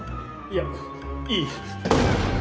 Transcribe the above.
いやいい。